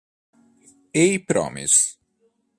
A Promise